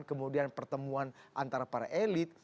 kemudian pertemuan antara para elit